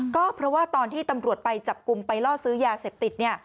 ก็เพราะว่าตอนที่ตำรวจไปจับกลุ่มไปล่อซื้อยาเสพติดเนี่ย